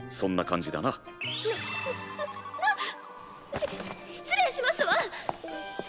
し失礼しますわ。